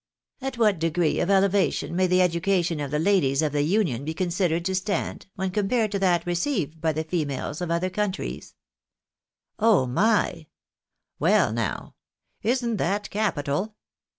" At what degree of elevation may the education of the ladies of the Union be considered to stand, when compared to that received by the females of other countries ?" 140 THE BARNABYS IN AMERICA. " Oh, my !"" Well, now !" "Isn't that capital?"